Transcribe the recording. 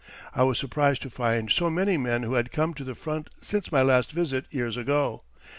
I was surprised to find so many men who had come to the front since my last visit years ago.